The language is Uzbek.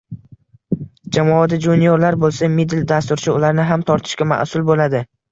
Jamoada juniorlar bo’lsa, middle dasturchi ularni ham tortishga mas’ul bo’ladi